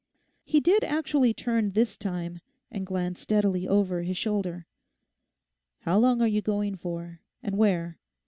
He did actually turn this time and glance steadily over his shoulder. 'How long are you going for? and where?